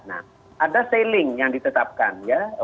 nah ada seiling yang ditetapkan ya